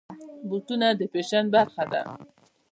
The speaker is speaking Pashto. بوټونه د فیشن برخه ده.